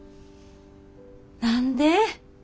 何で？